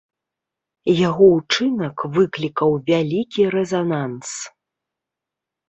Яго ўчынак выклікаў вялікі рэзананс.